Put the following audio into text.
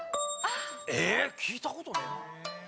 えっ聞いた事ねえな。